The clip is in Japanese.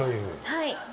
はい。